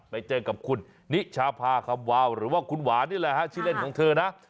ไปเจอกับคุณนิชาพาคำวาวหรือว่าคุณหวานนี่แหละฮะชื่อเล่นของเธอนะ